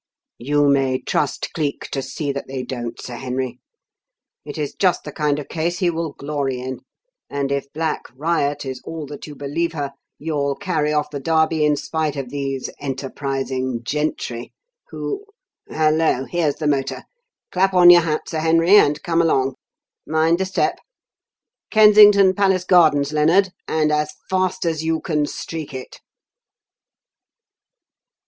"You may trust Cleek to see that they don't, Sir Henry. It is just the kind of case he will glory in; and if Black Riot is all that you believe her, you'll carry off the Derby in spite of these enterprising gentry who Hallo! here's the motor. Clap on your hat, Sir Henry, and come along. Mind the step! Kensington Palace Gardens, Lennard and as fast as you can streak it."